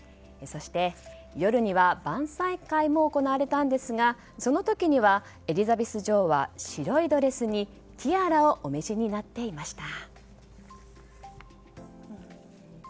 そして、夜には晩さん会も行われたんですがその時にはエリザベス女王は白いドレスにティアラをお召しになっていました。